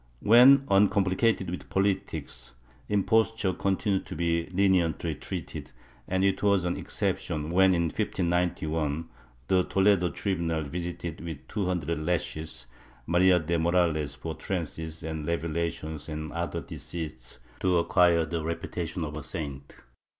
^ When uncomplicated with politics, imposture continued to be leniently treated and it was an exception when, in 1591, the Toledo tribunal visited with two hundred lashes Maria de Morales for trances and revelations and other deceits to acquire the reputation of a saint.